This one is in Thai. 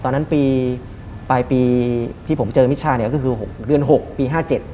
ตอนนั้นปีปลายปีที่ผมเจอมิชชาเนี่ยก็คือ๖เดือน๖ปี๕๗